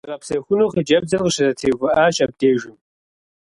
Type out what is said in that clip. ТӀэкӀу зигъэпсэхуну хъыджэбзыр къыщызэтеувыӀащ абдежым.